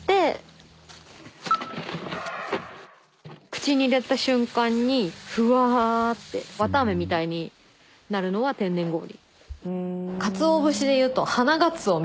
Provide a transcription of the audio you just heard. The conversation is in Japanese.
口に入れた瞬間にふわって綿あめみたいになるのは天然氷。